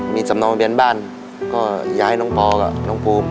มีสำนองมาเปลี่ยนบ้านก็ย้ายน้องพอและน้องภูมิ